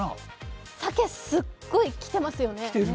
サケ、すっごい来てますよね。